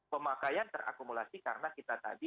pemakaian terakumulasi karena kita tadi